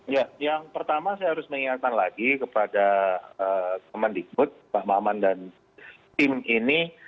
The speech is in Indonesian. ya yang pertama saya harus mengingatkan lagi kepada kemendikbud pak maman dan tim ini